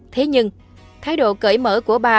thế nhưng thái độ cởi mở của bà